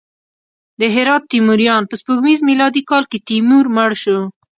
د هرات تیموریان: په سپوږمیز میلادي کال کې تیمور مړ شو.